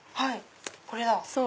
これだ。